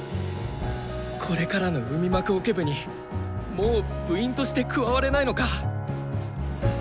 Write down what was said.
これからの海幕オケ部にもう部員として加われないのか！